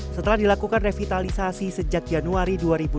setelah dilakukan revitalisasi sejak januari dua ribu dua puluh